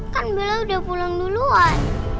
kan bella udah pulang duluan